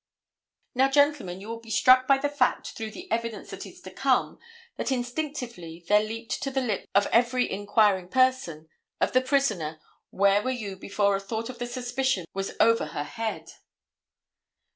Now, gentlemen, you will be struck by the fact through the evidence that is to come, that instinctively there leaped to the lips of every inquiring person, of the prisoner, where were you before a thought of the suspicion was over her head.